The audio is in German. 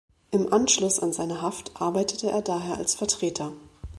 Im Anschluss an seine Haft arbeitete er daher als Vertreter.